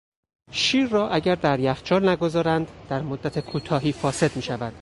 شیر را اگر در یخچال نگذارند در مدت کوتاهی فاسد میشود.